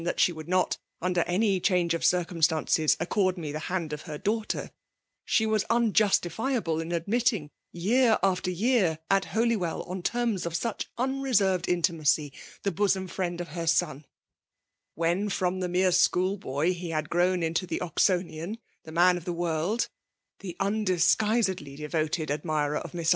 *•% t)iat she would not, under any change of cii:^ fum^tan^e^t accosd me the hand of her daugh * ter — she was unjustifiable in admitting, yea« iffter year, at Holywell, on terms of such un v reserved intimacy, the bosom fiiond of her son : when, from the mere school boy, he ha<l grown into the Oxonian — the man of the world — the undisguisedly devoted admirer of Miss.